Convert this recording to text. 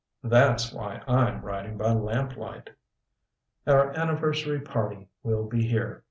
That's why I'm writing by lamplight. Our anniversary party will be here.